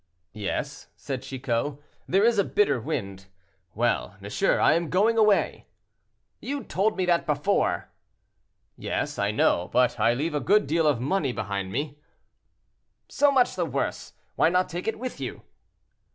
"Yes," said Chicot, "there is a bitter wind. Well, monsieur, I am going away." "You told me that before!" "Yes, I know; but I leave a good deal of money behind me." "So much the worse; why not take it with you?"